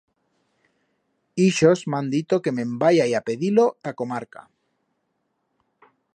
Ixos m'han dito que me'n váyai a pedir-lo t'a comarca.